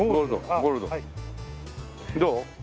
どう？